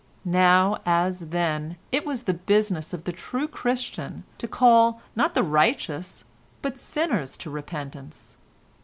Now, as then, it was the business of the true Christian to call not the righteous but sinners to repentance.